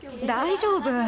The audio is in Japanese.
大丈夫。